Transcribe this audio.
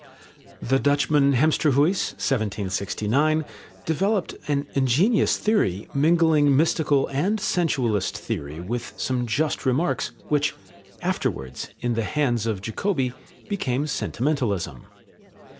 The Dutchman Hemsterhuis (1769) developed an ingenious theory, mingling mystical and sensualist theory with some just remarks, which afterwards, in the hands of Jacobi, became sentimentalism.